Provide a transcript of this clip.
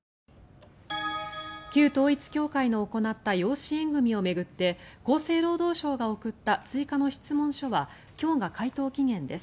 旧統一教会の行った養子縁組を巡って厚生労働省が送った追加の質問書は今日が回答期限です。